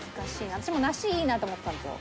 私も梨いいなと思ってたんですよ。